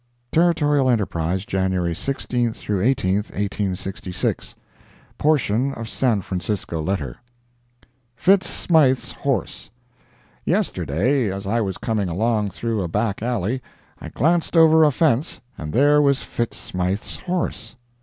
Territorial Enterprise, January 16 18, 1866 [portion of San Francisco letter] FITZ SMYTHE'S HORSE Yesterday, as I was coming along through a back alley, I glanced over a fence, and there was Fitz Smythe's horse.